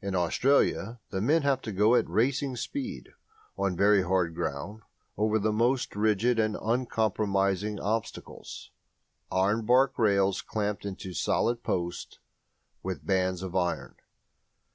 In Australia the men have to go at racing speed, on very hard ground, over the most rigid and uncompromising obstacles ironbark rails clamped into solid posts with bands of iron.